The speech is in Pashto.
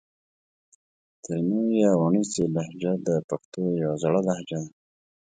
ترینو یا وڼېڅي لهجه د پښتو یو زړه لهجه ده